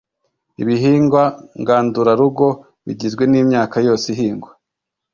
Ibihingwa ngandurarugo bigizwe n’imyaka yose ihingwa